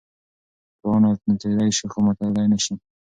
پاڼه نڅېدی شي خو ماتېدی نه شي.